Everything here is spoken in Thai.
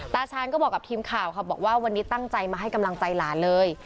ตาชาญก็บอกกับทีมข่าวค่ะบอกว่าวันนี้ตั้งใจมาให้กำลังใจหลานเลย